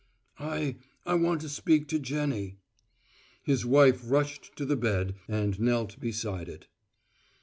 "I I want to speak to Jennie." His wife rushed to the bed, and knelt beside it.